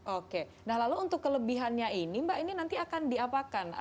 oke nah lalu untuk kelebihannya ini mbak ini nanti akan diapakan